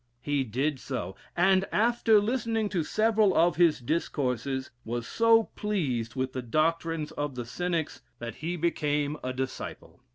He did so, and after listening to several of his discourses, was so pleased with the doctrines of the Cynics, that he became a disciple.